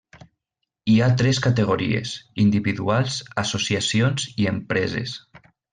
Hi ha tres categories, individuals, associacions i empreses.